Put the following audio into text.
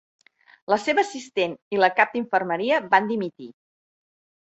La seva assistent i la cap d'infermeria van dimitir.